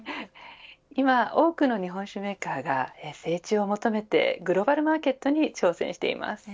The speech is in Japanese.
今、多くの日本酒メーカーがグローバルマーケットに挑戦しています。